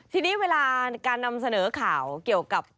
ทีนี้เวลาการนำเสนอข่าวเกี่ยวกับ